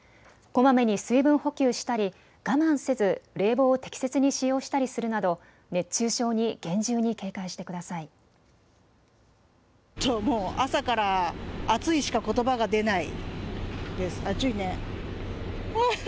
こまめに水分補給したり我慢せず冷房を適切に使用したりするなど熱中症に厳重に警戒してください。